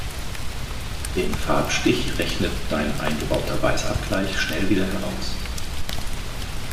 Den Farbstich rechnet dein eingebauter Weißabgleich schnell wieder heraus.